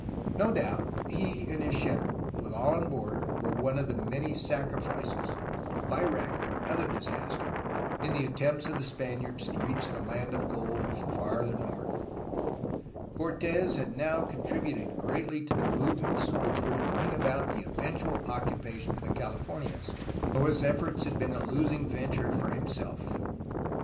No doubt he and his ship, with all on board, were one of the many sacrifices, by wreck or other disaster, in the attempts of the Spaniards to reach the land of gold —' 'far ther north." Cortes had now contributed greatly to the movements which were to bring about the eventual occupation of the Californias, though his efforts had been a losing venture for himself.